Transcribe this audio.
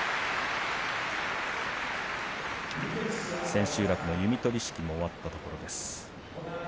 千秋楽の弓取式も終わったところです。